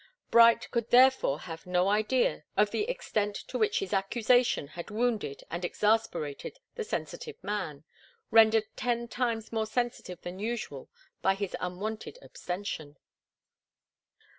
Bright could therefore have no idea of the extent to which his accusation had wounded and exasperated the sensitive man rendered ten times more sensitive than usual by his unwonted abstention.